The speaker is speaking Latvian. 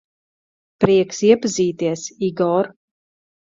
Prieks iepazīties, Igor.